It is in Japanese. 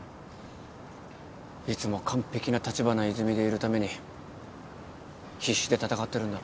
いつも完璧な立花泉でいるために必死で戦ってるんだろ？